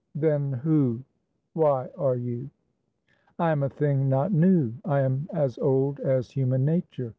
Then who, why are you? I am a thing not new, I am as old As human nature.